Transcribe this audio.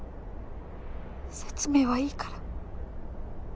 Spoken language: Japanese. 説明はいいから。